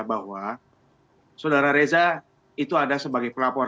bahwa saudara reza itu ada sebagai pelapor